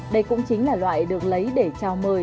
đây cũng chính là loại được lấy để trao mời